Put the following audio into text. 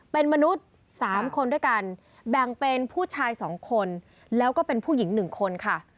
เป็นมนุษย์๓คนด้วยกันแบ่งเป็นผู้ชาย๒คนแล้วก็เป็นผู้หญิง๑คนค่ะ